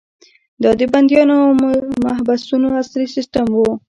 دا د بندیخانو او محبسونو عصري سیستم و.